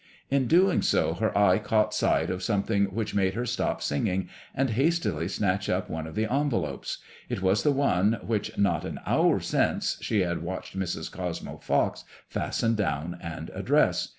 In doing so her eye caught sight of some thing which made her stop sing ing, and hastily snatch up one of the envelopes It was the MADBMOISXIXB IXB. 9I one which not an hour since the had watched Mrs. Cosmo Pox fasten down and address.